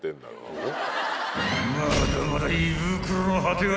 ［まだまだ］